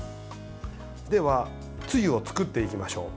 では、つゆを作っていきましょう。